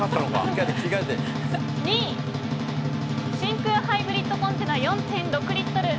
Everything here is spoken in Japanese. ２位、真空ハイブリッドコンテナ４．６リットル。